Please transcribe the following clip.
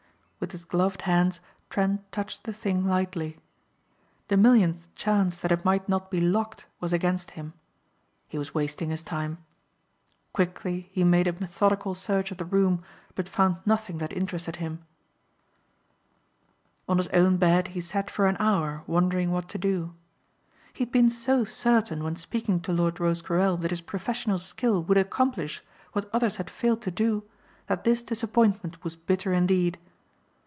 With his gloved hands Trent touched the thing lightly. The millionth chance that it might not be locked was against him. He was wasting his time. Quickly he made a methodical search of the room but found nothing that interested him. On his own bed he sat for an hour wondering what to do. He had been so certain when speaking to Lord Rosecarrel that his professional skill would accomplish what others had failed to do that this disappointment was bitter indeed.